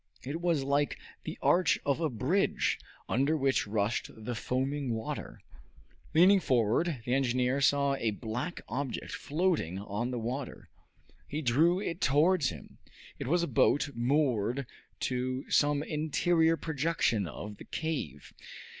It was like the arch of a bridge, under which rushed the foaming water. Leaning forward, the engineer saw a black object floating on the water. He drew it towards him. It was a boat, moored to some interior projection of the cave.